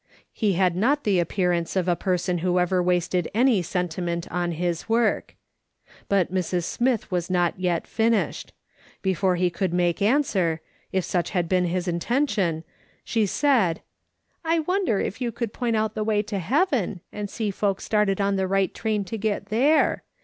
He had not the appearance of a person who ever wasted any sentiment on his work. " WHOM HA VE fFE HERE .?" 8l But Mrs. Smith had not yet finished ; before he coukl make answer, if such had been his intention, she said :" I Avonder if you could point out the way to lieaven, and see folks started on the right train to get there